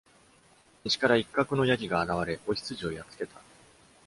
西から一角の山羊が現れ、雄羊をやっつけた。